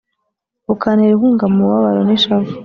bukantera inkunga mu mubabaro n’ishavu.